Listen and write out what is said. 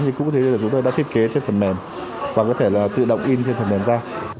như chúng tôi đã thiết kế trên phần mềm và có thể tự động in trên phần mềm ra